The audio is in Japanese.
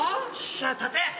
しゃあ立て！